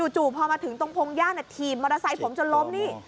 จู่พอมาถึงตรงพงหญ้าถีบมอเตอร์ไซค์ผมจนล้มนี่